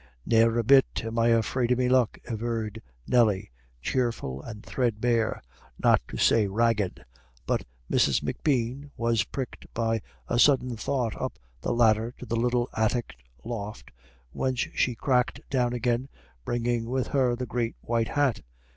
"Ne'er a bit am I afraid of me luck," averred Nelly, cheerful and threadbare, not to say ragged. But Mrs. M'Bean was pricked by a sudden thought up the ladder to the little attic aloft, whence she creaked down again, bringing with her the great white hat.